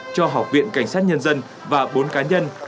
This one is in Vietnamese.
cho học viện cảnh sát nhân dân và bốn cá nhân